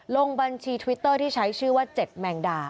ลงบัญชีทวิตเตอร์ที่ใช้ชื่อว่า๗แมงดา